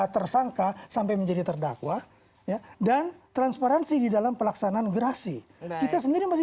tersangka sampai menjadi terdakwa ya dan transparansi di dalam pelaksanaan gerasi kita sendiri masih